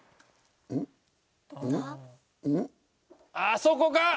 あそこか？